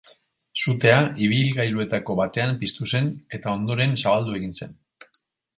Sutea ibilgailuetako batean piztu zen, eta ondoren zabaldu egin zen.